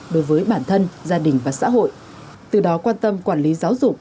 đối với bản thân gia đình và xã hội từ đó quan tâm quản lý giáo dục